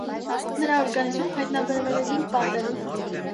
Նրա օրգանիզմում հայտնաբերվել է զիլպպատերոլ։